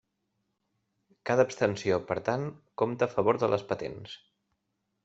Cada abstenció, per tant, compta a favor de les patents.